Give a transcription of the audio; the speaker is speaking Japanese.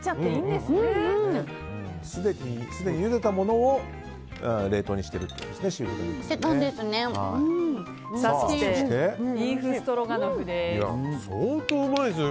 すでに、ゆでたものを冷凍にしているということですね。